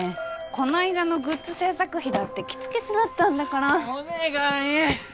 この間のグッズ制作費だってキツキツだったんだからお願い！